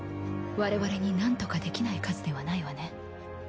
我々になんとかできない数ではないわね。